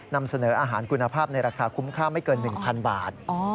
นำเสนออาหารคุณภาพในราคาคุ้มค่าไม่เกิน๑๐๐บาท